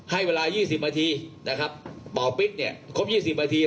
ให้เวลายี่สิบมันทีนะครับเป่าปิดเนี่ยครบยี่สิบมันที